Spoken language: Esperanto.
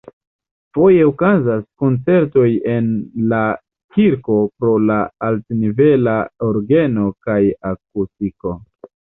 Foje okazas koncertoj en la kirko pro la altnivela orgeno kaj akustiko.